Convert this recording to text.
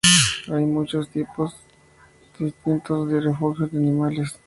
Hay muchos tipos distintos de refugios de animales.